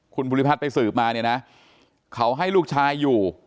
คุณภูริพัฒน์ไปสืบมาเนี่ยนะเขาให้ลูกชายอยู่